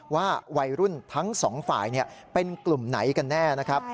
ว่าวัยรุ่นทั้งสองฝ่ายเป็นกลุ่มไหนกันแน่นะครับ